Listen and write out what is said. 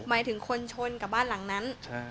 หมายถึงคนชนกับบ้านหลังนั้น